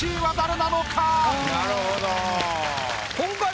なるほど。